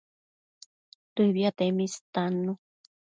Dëbiatemi istannu